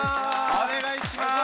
お願いします。